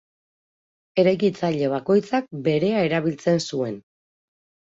Eraikitzaile bakoitzak berea erabiltzen zuen.